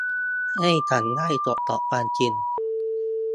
ให้ฉันได้ตรวจสอบความจริง